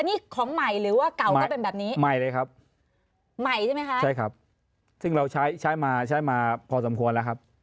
อันนี้ของใหม่หรือว่าเก่าก็เป็นแบบนี้ใหม่เลยครับใช่ครับซึ่งเราใช้มาใช้มาพอสมควรแล้วครับ